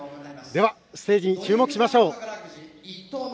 では、ステージに注目しましょう。